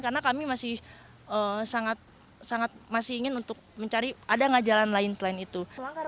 karena kami masih sangat ingin untuk mencari ada gak jalan lain selain itu